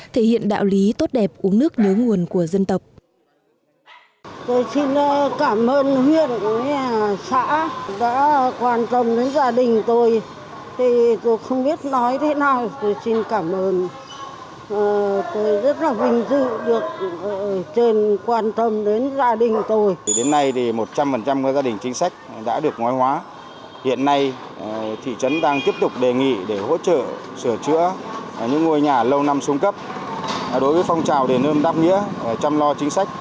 thể hiện đạo lý tốt đẹp uống nước nhớ nguồn của dân tộc